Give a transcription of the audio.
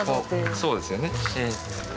そうですよね。